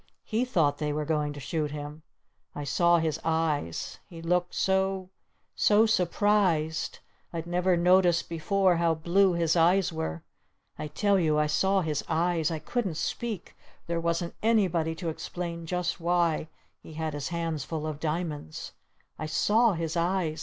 He thought they were going to shoot him! I saw his eyes! He looked so so surprised! I'd never noticed before how blue his eyes were! I tell you I saw his eyes! I couldn't speak! There wasn't anybody to explain just why he had his hands full of diamonds! I saw his eyes!